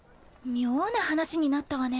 妙な話になったわね。